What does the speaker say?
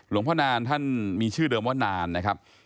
พระนานท่านมีชื่อเดิมว่านานนะครับ